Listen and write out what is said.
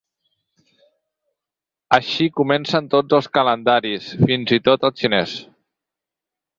Així comencen tots els calendaris, fins i tot el xinès.